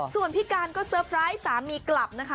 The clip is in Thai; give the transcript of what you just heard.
ส่วนพี่การก็เซอร์ไพรส์สามีกลับนะคะ